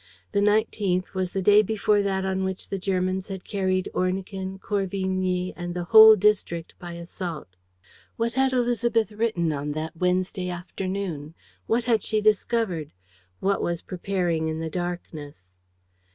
The nineteenth was the day before t on which the Germans had carried Ornequin, Corvigny and the whole district by assault. What had Élisabeth written on that Wednesday afternoon? What had she discovered? What was preparing in the darkness?